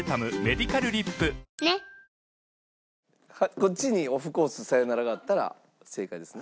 こっちにオフコース『さよなら』があったら正解ですね。